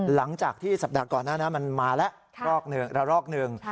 หลังจากที่สัปดาห์ก่อนหน้านั้นมันมาแล้วระลอกหนึ่ง